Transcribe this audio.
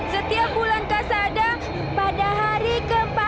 setiap bulan kasada pada hari ke empat puluh